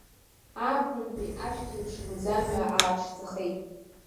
Ааԥынтәи ашәҭеиԥш, лӡамҩа ааԥшӡахеит.